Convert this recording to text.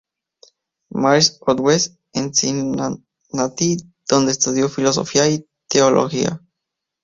Mary's of West" en Cincinnati, donde estudió filosofía y teología.